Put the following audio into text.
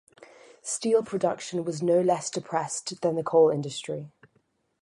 Steel production was no less depressed than the coal industry.